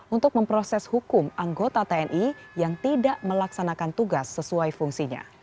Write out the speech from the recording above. untuk memproses hukum anggota tni yang tidak melaksanakan tugas sesuai fungsinya